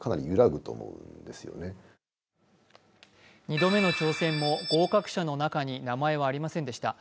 二度目の挑戦も合格者の中に名前はありませんでした。